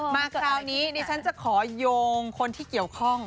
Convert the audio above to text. มาคราวนี้ดิฉันจะขอโยงคนที่เกี่ยวข้อง